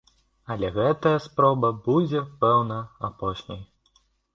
Але гэтая спроба будзе, пэўна, апошняй.